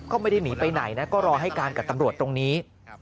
ก็ไม่ได้หนีไปไหนนะก็รอให้การกับตำรวจตรงนี้